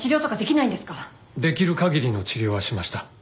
できる限りの治療はしました。